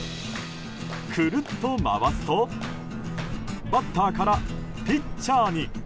くるっと回すとバッターからピッチャーに。